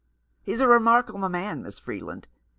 He's a remarkable man, Miss Freeland.